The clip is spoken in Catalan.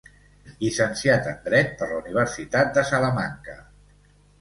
Llicenciat en dret per la Universitat de Salamanca.